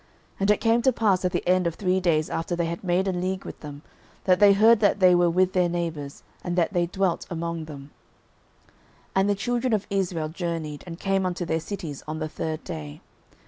06:009:016 And it came to pass at the end of three days after they had made a league with them, that they heard that they were their neighbours, and that they dwelt among them. 06:009:017 And the children of Israel journeyed, and came unto their cities on the third day.